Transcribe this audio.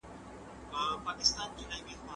زه بايد ښوونځی ته ولاړ سم!.